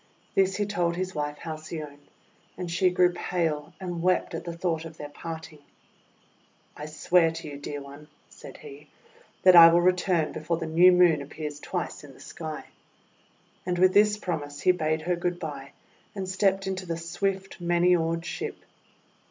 This he told his wife Halcyone; and she grew pale, and wept at the thought of their parting. ;<I swear to you, Dear One," said he, 'that I will return before the new Moon appears twice in the sky." THE HALCYON BIRDS 265 And with this promise, he bade her good bye, and stepped into the swift, many oared ship.